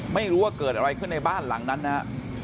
ไม่รู้ว่าเกิดอะไรขึ้นในบ้านหลังนั้นนะฮะ